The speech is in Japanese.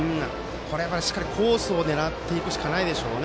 これはしっかりコースを狙うしかないでしょうね。